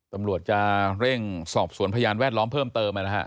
ตำรวจจะเร่งสอบสวนพยานแวดล้อมเพิ่มเติม